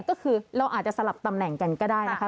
ก็คือเราอาจจะสลับตำแหน่งกันก็ได้นะคะ